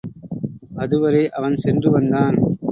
அதுவரை அவன் சென்று வந்தான்.